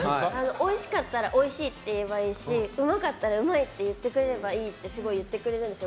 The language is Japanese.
おいしかったらおいしいって言えばいいしうまかったらうまい！って言ってくれたらいいとすごい言ってくれるんですよ